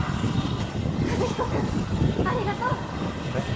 和彦君ありがとう！えっ？